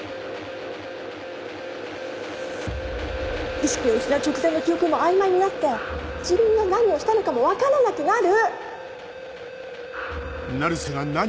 意識を失う直前の記憶も曖昧になって自分が何をしたのかも分からなくなる！